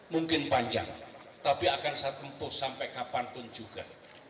mungkin panjang tapi akan saya tempuh sampai kapanpun juga